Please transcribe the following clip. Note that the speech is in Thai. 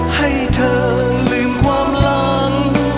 ให้เธอลืมความหลัง